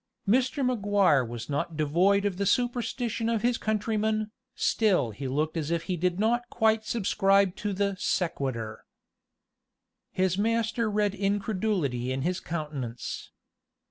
Mr. Maguire was not devoid of the superstition of his countrymen, still he looked as if he did not quite subscribe to the sequitur. His master read incredulity in his countenance.